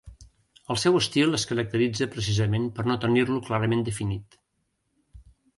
El seu estil es caracteritza precisament per no tenir-lo clarament definit.